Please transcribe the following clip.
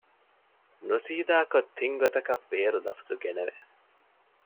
ނުސީދާކޮށް ތިން ގޮތަކަށް ބޭރު ލަފުޒު ގެނެވެ